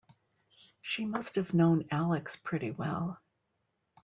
She must have known Alex pretty well.